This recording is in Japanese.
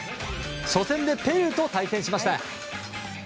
初戦でペルーと対戦しました。